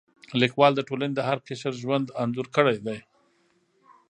لیکوال د ټولنې د هر قشر ژوند انځور کړی دی.